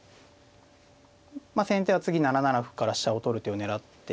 まあ先手は次７七歩から飛車を取る手を狙っていると思うので。